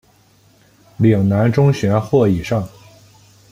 岭南中学或以上。